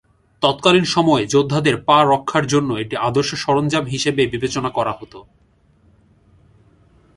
তৎকালীন সময়ে যোদ্ধাদের পা রক্ষার জন্য একটি আদর্শ সরঞ্জাম হিসেবে বিবেচনা করা হতো।